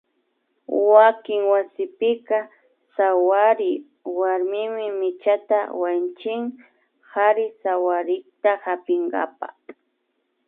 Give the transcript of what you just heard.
Wakin wasikunapika sawary warmimi michata wañuchin kari sawarikta hapinkapa